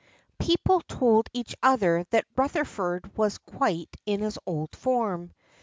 People told each other that Rutherford was quite in his old form.